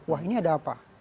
wah ini ada apa